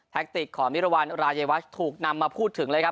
ติกของมิรวรรณรายวัชถูกนำมาพูดถึงเลยครับ